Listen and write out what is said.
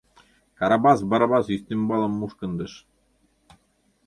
— Карабас Барабас ӱстембалым мушкындыш.